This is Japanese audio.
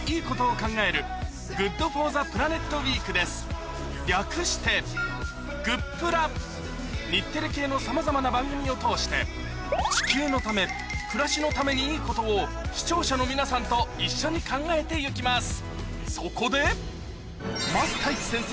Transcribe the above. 今週は略して日テレ系のさまざまな番組を通して地球のため暮らしのためにいいことを視聴者の皆さんと一緒に考えて行きます